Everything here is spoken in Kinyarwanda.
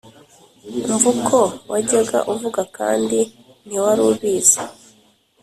umva uko wajyaga uvuga kandi ntiwari ubizi